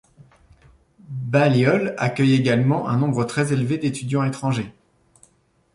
Balliol accueille également un nombre très élevé d'étudiants étrangers.